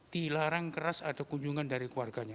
dilarang keras ada kunjungan dari keluarganya